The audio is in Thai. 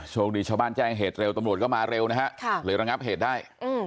โชคดีชาวบ้านแจ้งเหตุเร็วตำรวจก็มาเร็วนะฮะเลยระงับเหตุได้